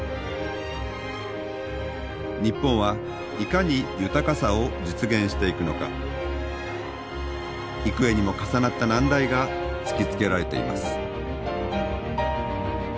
日本はいかに豊かさを実現していくのか幾重にも重なった難題が突きつけられています。